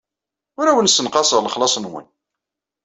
Ur awen-ssenqaseɣ lexlaṣ-nwen.